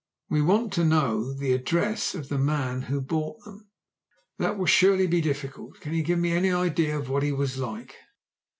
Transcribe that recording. "We want to know the address of the man who bought them." "That will surely be difficult. Can you give me any idea of what he was like?"